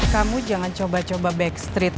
kamu jangan coba coba backstreet